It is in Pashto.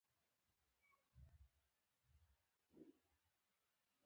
د مسلمانانو لپاره بیا ځکه مقدس دی.